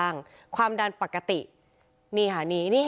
ลองไปดูบรรยากาศช่วงนั้นนะคะ